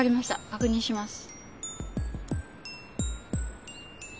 確認します。